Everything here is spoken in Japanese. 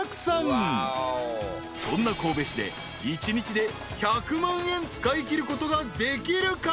［そんな神戸市で１日で１００万円使いきることができるか？］